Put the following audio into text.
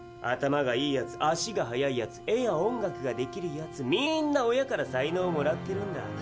頭がいいやつ足が速いやつ絵や音楽ができるやつみんな親から才能をもらってるんだ。